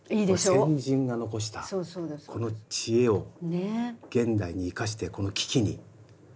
先人が残したこの知恵を現代に生かしてこの危機に。